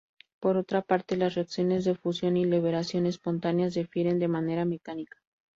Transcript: Por otra parte las reacciones de fusión y liberación espontáneas difieren de manera mecánica.